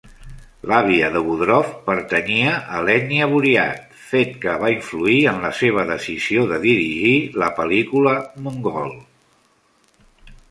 L'àvia de Bodrov pertanyia a l'ètnia buryat, fet que va influir en la seva decisió de dirigir la pel·lícula "Mongol".